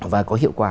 và có hiệu quả